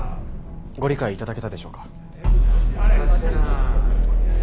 ご理解いただけたでしょうか。